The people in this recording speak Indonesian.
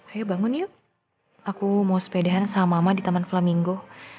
ayo bangun yuk aku mau sepedahan sama mama di taman flaminggo